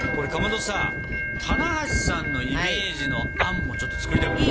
どさ棚橋さんのイメージのあんもちょっと作りたくない？